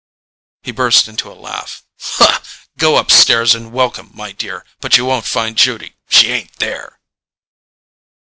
He burst into a laugh. "Go upstairs and welcome, my dear; but you won't find Judy. She ain't there."